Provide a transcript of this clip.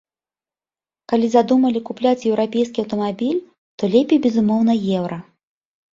Калі задумалі купляць еўрапейскі аўтамабіль, то лепей, безумоўна, еўра.